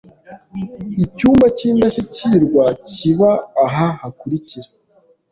Icyumba cy’indashyikirwa kiba aha hakurikira: